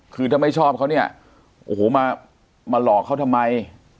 คือถ้าไม่ชอบเขาเนี่ยโอ้โหมาหลอกเขาทำไม